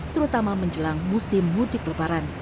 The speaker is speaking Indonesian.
terutama menjelang musim mudik lebaran